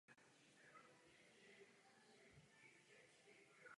Viditelný obraz je posléze dosažen procesem vyvolávání filmu.